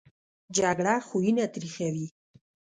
جګړه خویونه تریخوي